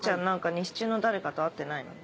西中の誰かと会ってないの？